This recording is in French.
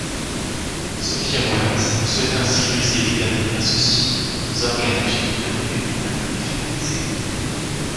Sophia Wallas souhaite ainsi briser les tabous associés aux organes génitaux féminins et féminisés.